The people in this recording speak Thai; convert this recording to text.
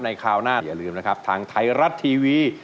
คราวหน้าอย่าลืมนะครับทางไทยรัฐทีวี